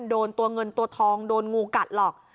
โดนตัวเงินตัวทองโดนงูกัดหรอก